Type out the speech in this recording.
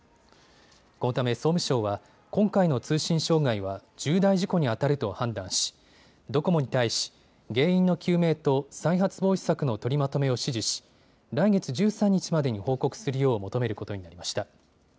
このため総務省は今回の通信障害は重大事故にあたると判断し、ドコモに対し原因の究明と再発防止策の取りまとめを指示し来月１３日までに報告するよう求めることになりました。